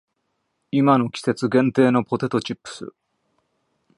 今の季節限定のポテトチップス